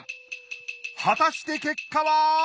果たして結果は？